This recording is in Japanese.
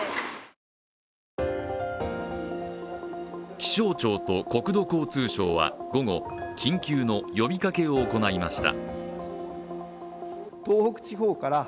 気象庁と国土交通省は、午後緊急の呼びかけを行いました。